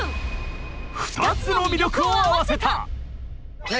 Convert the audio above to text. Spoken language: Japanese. ２つの魅力を合わせた。